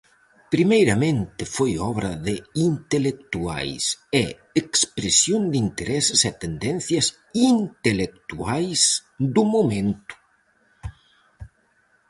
Primeiramente foi obra de intelectuais e expresión de intereses e tendencias intelectuais do momento.